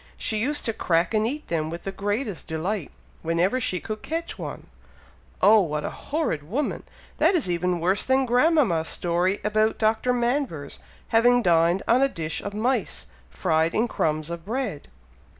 She used to crack and eat them with the greatest delight, whenever she could catch one." "Oh! what a horrid woman! That is even worse than grandmama's story about Dr. Manvers having dined on a dish of mice, fried in crumbs of bread!"